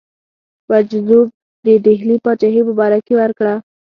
مجذوب د ډهلي پاچهي مبارکي ورکړه.